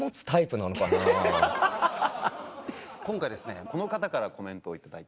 今回この方からコメントを頂いてます。